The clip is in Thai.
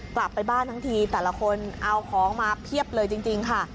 กลับไปบ้านทั้งทีแต่ละคนเอาของมาเพียบเลยจริงค่ะ